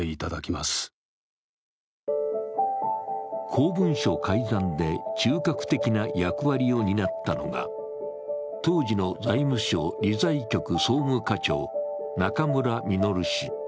公文書改ざんで中核的な役割を担ったのが当時の財務省理財局総務課長、中村稔氏。